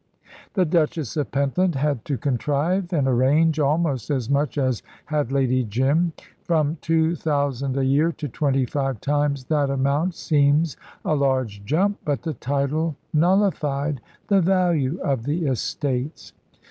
The Duchess of Pentland had to contrive and arrange almost as much as had Lady Jim. From two thousand a year to twenty five times that amount seems a large jump, but the title nullified the value of the estates.